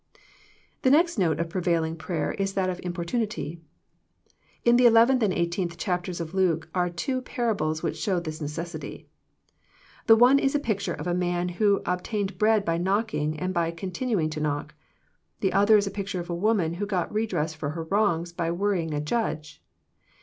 The next note of prevailing prayer is that of importunity. In the eleventh and eighteenth chapters of Luke are two parables which show this necessity. The one is a picture of a man who obtained bread by knocking and by continuing to knock. The other is a picture of a woman who got redress for her wrongs by worrying a judge.